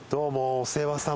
お世話さま。